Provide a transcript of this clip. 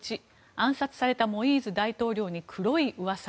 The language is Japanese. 暗殺されたモイーズ大統領に黒いうわさ。